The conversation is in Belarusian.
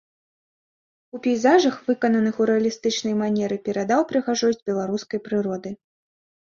У пейзажах, выкананых у рэалістычнай манеры, перадаў прыгажосць беларускай прыроды.